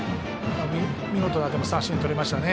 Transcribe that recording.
見事な三振とりましたね。